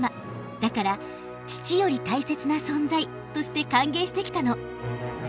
だから「父より大切な存在」として歓迎してきたの。